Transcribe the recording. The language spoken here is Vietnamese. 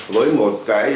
với một quy mô hàng hóa lớn